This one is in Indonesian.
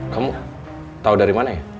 kamu tahu dari mana ya